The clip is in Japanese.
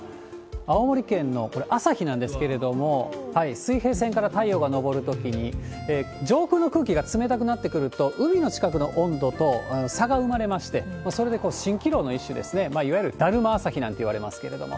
水平線から太陽が昇るときに、上空の空気が冷たくなってくると、海の近くの温度と差が生まれまして、それで蜃気楼の一種ですね、いわゆるだるま朝日なんていわれますけれども。